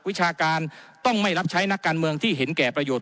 วิชาการต้องไม่รับใช้นักการเมืองที่เห็นแก่ประโยชน